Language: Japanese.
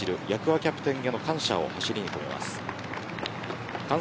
３区を走るキャプテンへの感謝を走りに込めます。